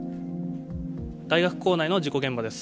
大学構内の事故現場です。